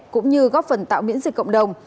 cũng như góp phần tạo miễn dịch cộng đồng